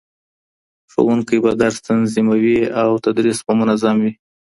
ښوونکی به درس تنظيموي او تدريس به منظم وي.